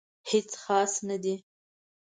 هیڅ خاص نه دي